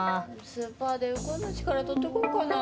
スーパーで「ウコンの力」取ってこよかな。